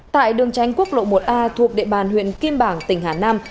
tại đường tránh quốc lộ một a thuộc địa bàn huyện kim bảng tỉnh hà nam